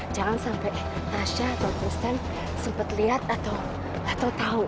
jangan sampai tasya atau tristan sempat lihat atau tahu